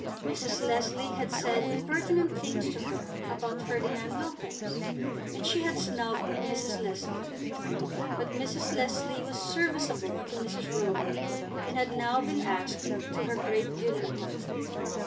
Mrs. Leslie had said impertinent things to her about Ferdinand Lopez, and she had snubbed Mrs. Leslie. But Mrs. Leslie was serviceable to Mrs. Roby, and had now been asked to her great dinner party.